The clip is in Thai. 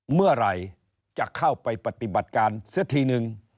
เมื่อไหร่จะเข้าไปปฏิบัติการเสียทีนึง